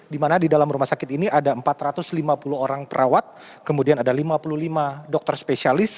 di mana di dalam rumah sakit ini ada empat ratus lima puluh orang perawat kemudian ada lima puluh lima dokter spesialis